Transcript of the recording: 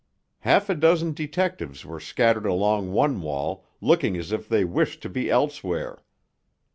Half a dozen detectives were scattered along one wall, looking as if they wished to be elsewhere.